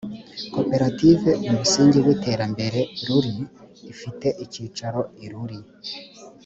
koperative umusingi w’iterambere ruli ifite icyicaro i ruli